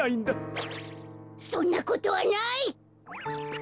そんなことはない！